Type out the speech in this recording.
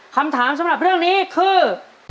คำถามสำหรับเรื่องนี้คือ